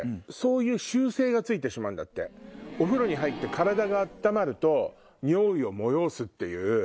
お風呂に入って体が温まると尿意を催すっていう。